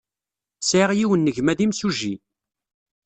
Sɛiɣ yiwen n gma d imsujji.